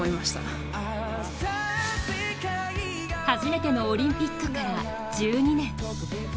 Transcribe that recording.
初めてのオリンピックから１２年。